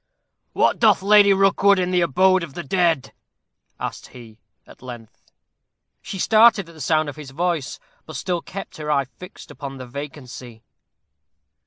"What doth Lady Rookwood in the abode of the dead?" asked he, at length. She started at the sound of his voice, but still kept her eye fixed upon the vacancy.